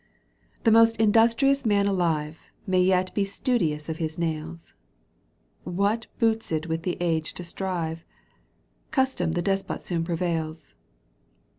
The most industrious man alive May yet be studious of his nails ; What boots it with the age to strive ? Custom the despot soon prevails.